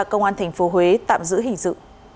và công an tp huế tạm giữ hình dự